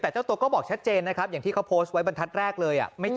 แต่เจ้าตัวก็บอกชัดเจนนะครับอย่างที่เขาโพสต์ไว้บรรทัศน์แรกเลย